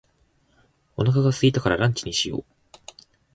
お腹が空いたからランチにしよう。